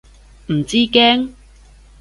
唔知驚？